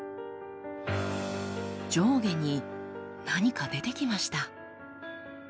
上下に何か出てきました。